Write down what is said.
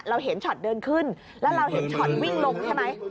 เราเห็นช็อตเดินขึ้นแล้วเราเห็นช็อตวิ่งลงใช่ไหม